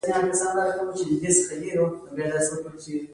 تاسې ځان ته تلقین وکړئ او خپل لاشعور تېر باسئ